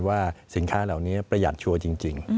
ว่าสินค้าเหล่านี้ประหยัดชัวร์จริง